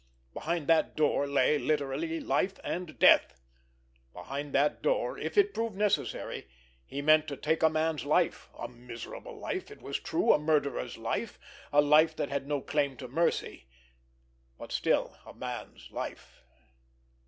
Behind that door lay, literally, life and death; behind that door, if it proved necessary, he meant to take a man's life, a miserable life, it was true, a murderer's life, a life that had no claim to mercy, but still a man's life.